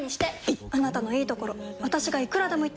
いっあなたのいいところ私がいくらでも言ってあげる！